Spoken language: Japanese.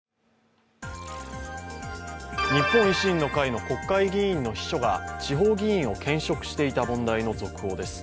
日本維新の会の国会議員の秘書が地方議員を兼職していた問題の続報です。